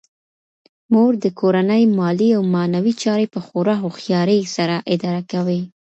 مور د کورنۍ مالي او معنوي چارې په خورا هوښیارۍ سره اداره کوي